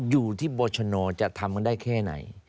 อยู่ที่โบชนัวจะทำได้แค่ไหน